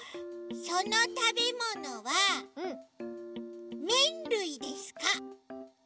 そのたべものはめんるいですか？